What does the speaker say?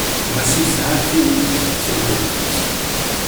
Massi yesɛa tin ukkud i d-yettawi lweqt-is.